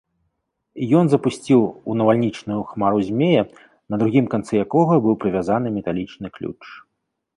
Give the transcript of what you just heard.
Ён запусціў у навальнічную хмару змея, на другім канцы якога быў прывязаны металічны ключ.